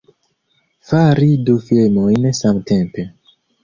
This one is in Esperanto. Fari du filmojn samtempe!